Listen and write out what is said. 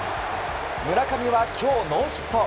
村上は今日ノーヒット。